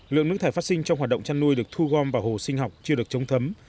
lượng nước thải phát sinh trong hoạt động chăn nuôi được thu gom vào hồ sinh học chưa được chống thấm